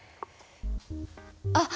あっ！